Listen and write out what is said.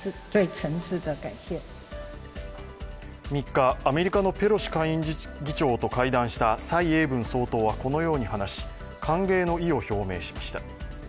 ３日、アメリカのペロシ下院議長と会談した蔡英文総統はこのように話し、歓迎の意を表明しました。